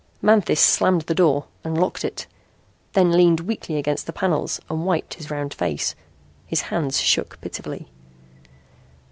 Manthis slammed the door and locked it, then leaned weakly against the panels and wiped his round face. His hands shook pitifully.